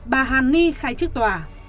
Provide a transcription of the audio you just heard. bà hàn ni khai chức tòa